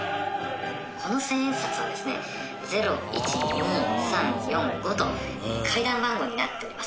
この千円札はですね「０１２３４５」と階段番号になっております。